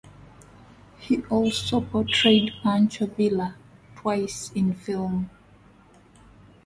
He also portrayed Pancho Villa twice in film.